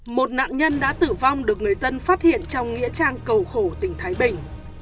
một nạn nhân đã tử vong được người dân phát hiện trong nghĩa trang cầu khổ tỉnh thái bình